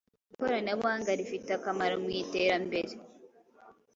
Ikoranabuhanga rifite akamaro mwiterambere